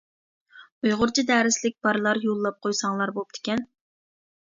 ئۇيغۇرچە دەرسلىك بارلار يوللاپ قويساڭلار بوپتىكەن.